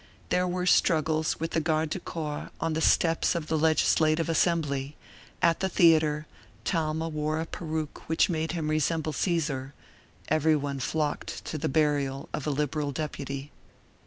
There were struggles with the garde du corps on the steps of the legislative assembly; at the theater, Talma wore a peruke which made him resemble Caesar; every one flocked to the burial of a liberal deputy.